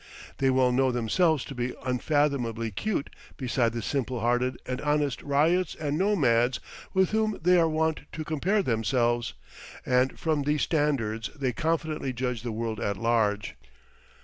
They well know themselves to be unfathomably cute beside the simple hearted and honest ryots and nomads with whom they are wont to compare themselves, and from these standards they confidently judge the world at large.